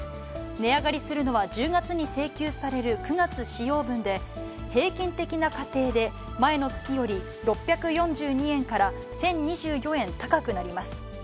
値上がりするのは１０月に請求される９月使用分で、平均的な家庭で前の月より６４２円から１０２４円高くなります。